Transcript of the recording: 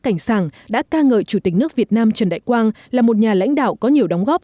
cảnh sảng đã ca ngợi chủ tịch nước việt nam trần đại quang là một nhà lãnh đạo có nhiều đóng góp